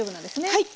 はい。